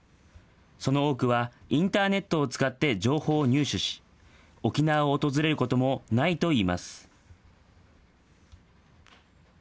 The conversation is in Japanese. その多くはインターネットを使って情報を入手し、沖縄を訪れることもないといいます。